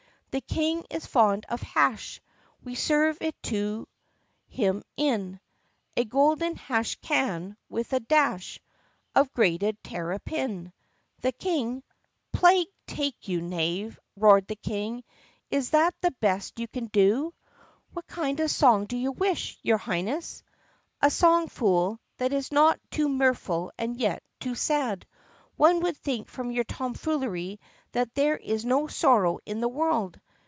"The King is fond of hash. We serve it to him in A golden hash can (with a dash Of grated terrapin). "The King —" "Plague take you, knave!" roared the King. "Is that the best you can do 4 ?" THE PUSSYCAT PRINCESS 75 "What kind of song do you wish, your Highness*?" "A song, fool, that is not too mirthful and yet not too sad. One would think from your tomfoolery that there is no sorrow in the world."